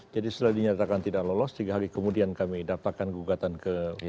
jadi setelah dinyatakan tidak lolos tiga hari kemudian kami daftarkan gugatan ke bawaslu